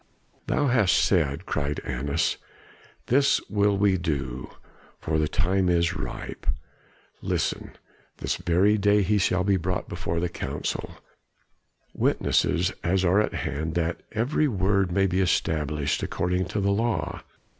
"Thou hast said!" cried Annas. "This will we do, for the time is ripe. Listen, this very day he shall be brought before the Council; witnesses are at hand that every word may be established according to the law.